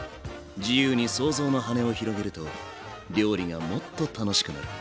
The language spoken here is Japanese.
自由に想像の羽を広げると料理がもっと楽しくなる。